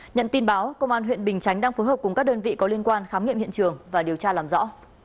nhận tin báo công an huyện bình chánh đang phối hợp cùng các đơn vị có liên quan khám nghiệm hiện trường và điều tra làm rõ